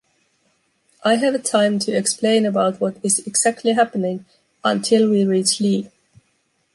I have a time to explain about what is exactly happening until we reach Li.